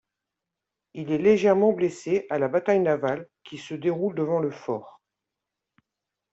Il est légèrement blessé à la bataille navale qui se déroule devant le fort.